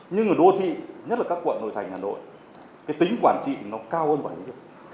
nhưng ở đô thị nhất là các quận nội thành hà nội cái tính quản trị nó cao hơn quản lý